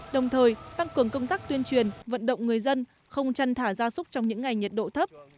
đồng thời tăng cường công tác tuyên truyền vận động người dân không chăn thả ra súc trong những ngày nhiệt độ thấp